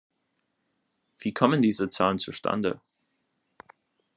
Wie kommen diese Zahlen zustande?